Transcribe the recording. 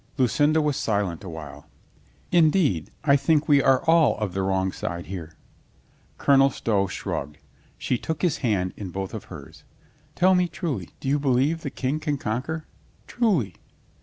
Lucinda was silent a while. "Indeed, I think we are all of the wrong side here." Colonel Stow shrugged. She took his hand in both of hers. "Tell me truly — do you believe the King can conquer? Truly